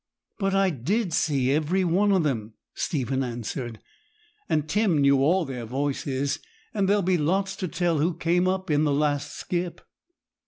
'But I did see every one of them,' Stephen answered; 'and Tim knew all their voices; and there'll be lots to tell who came up in the last skip.'